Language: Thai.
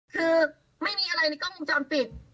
คือไม่มีอะไรในกล้องมุมจำติด